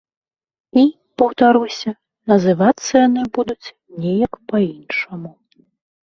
І, паўтаруся, называцца яны будуць неяк па-іншаму.